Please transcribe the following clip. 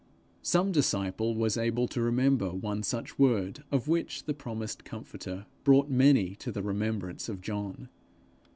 Some disciple was able to remember one such word of which the promised comforter brought many to the remembrance of John.